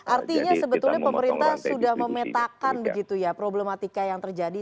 artinya sebetulnya pemerintah sudah memetakan problematika yang terjadi